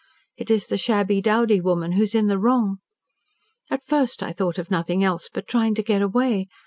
It is the shabby, dowdy woman who is in the wrong. At first, I thought of nothing else but trying to get away.